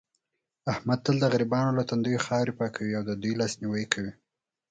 احمد تل د غریبانو له تندیو خاورې پاکوي او دې دوی لاس نیوی کوي.